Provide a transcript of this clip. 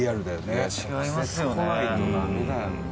宮田：違いますよね。